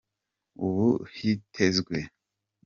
ubu hitezwe